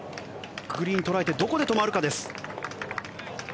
グリーン捉えてどこで止まるかです。